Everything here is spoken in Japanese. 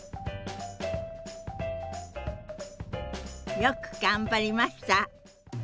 よく頑張りました！